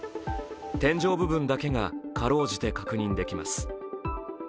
天井部分だけが辛うじて確認できます。